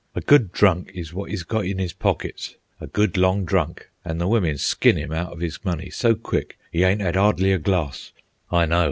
A good drunk is wot 'e's got in 'is pockits, a good long drunk, an' the wimmen skin 'im out of his money so quick 'e ain't 'ad 'ardly a glass. I know.